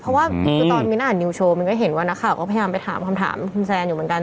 เพราะว่าคือตอนมิ้นอ่านนิวโชว์มินก็เห็นว่านักข่าวก็พยายามไปถามคำถามคุณแซนอยู่เหมือนกัน